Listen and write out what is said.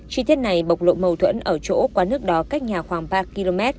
chi tiết này bộc lộ mâu thuẫn ở chỗ quán nước đó cách nhà khoảng ba km